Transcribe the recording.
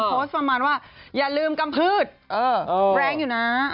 ประมาณว่าอย่าลืมกำพืชแรงอยู่นะ